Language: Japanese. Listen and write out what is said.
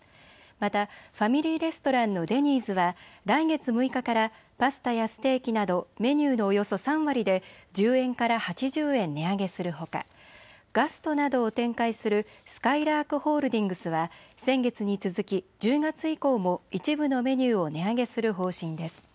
またファミリーレストランのデニーズは来月６日からパスタやステーキなどメニューのおよそ３割で１０円から８０円値上げするほかガストなどを展開するすかいらーくホールディングスは先月に続き１０月以降も一部のメニューを値上げする方針です。